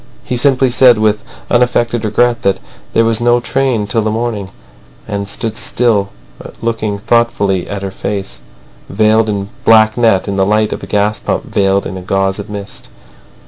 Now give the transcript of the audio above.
He simply said with unaffected regret that there was no train till the morning, and stood looking thoughtfully at her face, veiled in black net, in the light of a gas lamp veiled in a gauze of mist.